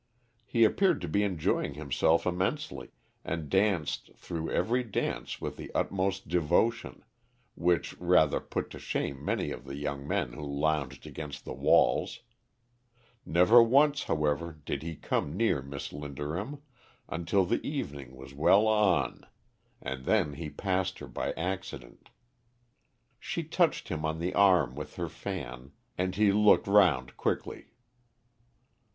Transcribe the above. He appeared to be enjoying himself immensely, and danced through every dance with the utmost devotion, which rather put to shame many of the young men who lounged against the walls; never once, however, did he come near Miss Linderham until the evening was well on, and then he passed her by accident. She touched him on the arm with her fan, and he looked round quickly.